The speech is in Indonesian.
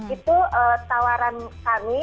itu tawaran kami